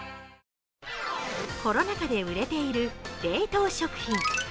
コロナ禍で売れている冷凍食品。